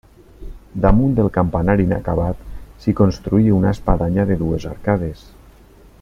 Damunt del campanar inacabat s'hi construí una espadanya de dues arcades.